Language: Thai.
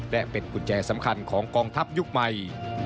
และเป็นกุญแจสำคัญของกองทัพยุคใหม่